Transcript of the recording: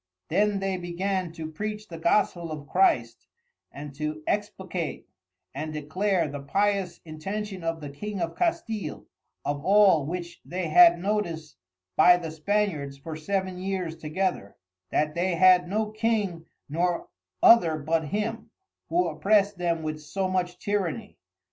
Then they began, to Preach the Gospel of Christ, and to explicate and declare the pious intention of the King of Castile, of all which they had notice by the Spaniards for seven years together, that they had no King nor no other but him, who oppressed them with so much Tyranny.